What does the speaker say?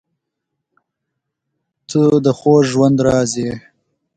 • ته د خوږ ژوند راز یې.